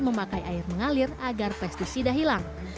memakai air mengalir agar pesticida hilang